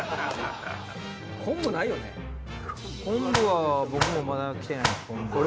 昆布は僕もまだ来てないです。